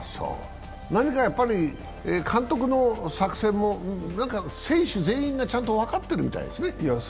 何かやっぱり監督の作戦も、選手全員がちゃんと分かってるみたいですね。